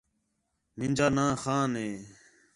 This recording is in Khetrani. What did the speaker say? مینجا ناں خان ہے